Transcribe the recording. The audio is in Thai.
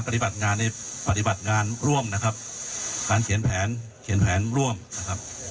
ปฏิบัติงานในปฏิบัติงานร่วมนะครับการเขียนแผนเขียนแผนร่วมนะครับ